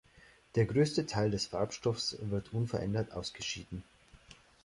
Der größte Teil des Farbstoffs wird unverändert ausgeschieden.